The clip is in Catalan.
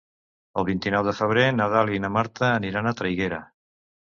El vint-i-nou de febrer na Dàlia i na Marta aniran a Traiguera.